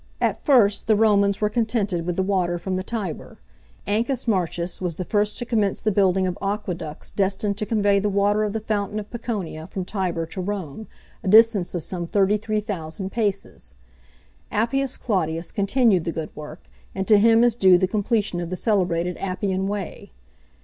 At first, the Romans were contented with the water from the Tiber. Ancus Martius was the first to commence the building of aqueducts destined to convey the water of the fountain of Piconia from Tibur to Rome, a distance of some 33,000 paces. Appius Claudius continued the good work, and to him is due the completion of the celebrated Appian Way.